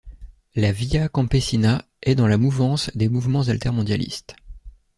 La Via Campesina est dans la mouvance des mouvements altermondialistes.